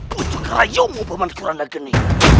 kucuk rayu peman kurandagini